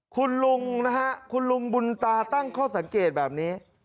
คุณลุงนะฮะคุณลุงบุญตาตั้งข้อสังเกตแบบนี้